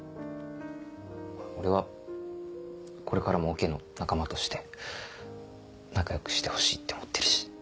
俺はこれからもオケの仲間として仲良くしてほしいって思ってるし。